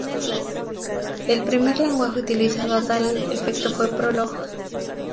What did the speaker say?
El primer lenguaje utilizado a tal efecto fue Prolog.